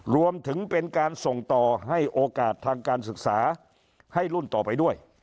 รวมถึงเป็นการส่งต่อให้โอกาสทางการศึกษาให้รุ่นต่อไปด้วย